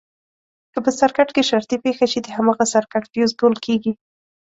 که په سرکټ کې شارټي پېښه شي د هماغه سرکټ فیوز ګل کېږي.